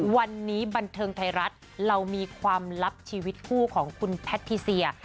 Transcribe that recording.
วันนี้บันเทิงไทยรัฐเรามีความลับชีวิตคู่ของคุณแพทิเซีย